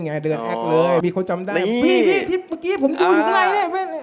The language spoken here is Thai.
พี่เขาจำได้ผมต้องหัวใกล้อยู่กับนาง